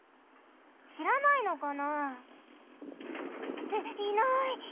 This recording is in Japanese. しらないのかな？っていない！